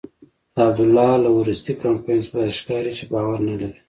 د عبدالله له وروستي کمپاین څخه داسې ښکاري چې باور نلري.